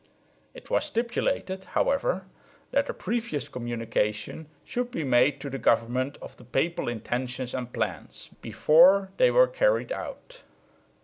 It was stipulated, however, that a previous communication should be made to the government of the papal intentions and plans, before they were carried out.